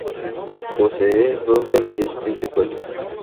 Posee dos galerías principales.